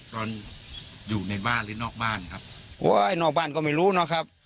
ตอนอยู่ในบ้านหรือนอกบ้านครับโอ้ยนอกบ้านก็ไม่รู้นะครับ